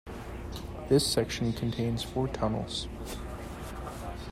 This section contains four tunnels.